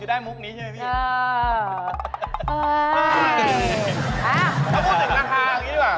เราพูดถึงราคานี่ดีกว่า